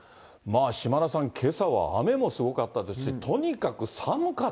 まあ島田さん、けさは雨もすごかったですし、そうですね。